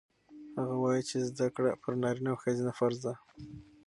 هغه وایي چې زده کړه پر نارینه او ښځینه فرض ده.